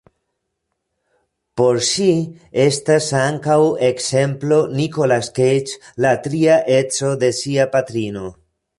Por ŝi estas ankaŭ ekzemplo Nicolas Cage, la tria edzo de sia patrino.